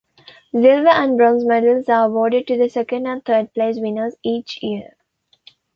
Silver and bronze medals are awarded to the second and third-place winners each year.